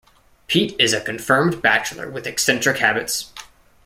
Pete is a confirmed bachelor with eccentric habits.